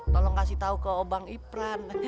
tolong kasih tahu ke bang ipran